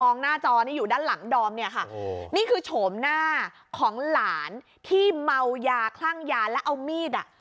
หน้าจอนี่อยู่ด้านหลังดอมเนี่ยค่ะนี่คือโฉมหน้าของหลานที่เมายาคลั่งยาแล้วเอามีดอ่ะ